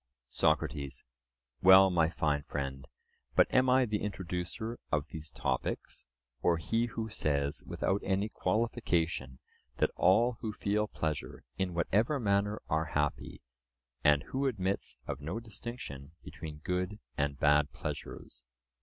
SOCRATES: Well, my fine friend, but am I the introducer of these topics, or he who says without any qualification that all who feel pleasure in whatever manner are happy, and who admits of no distinction between good and bad pleasures?